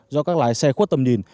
do các lái xe khuất tầm nhìn